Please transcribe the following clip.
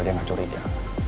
dia gak curiga